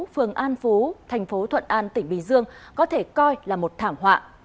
phường an phú thành phố thuận an tỉnh bình dương có thể coi là một thảm họa